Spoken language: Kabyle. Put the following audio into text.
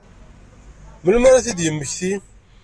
Melmi ara ad t-id-yemmekti?